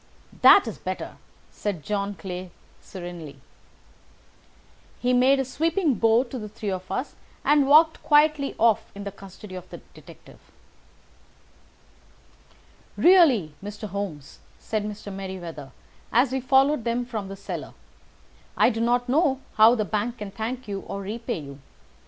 "That is better," said John Clay serenely. He made a sweeping bow to the three of us and walked quietly off in the custody of the detective. "Really, Mr. Holmes," said Mr. Merryweather as we followed them from the cellar, "I do not know how the bank can thank you or repay you.